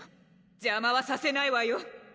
邪魔はさせないわよ